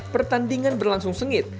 pertandingan berlangsung sengit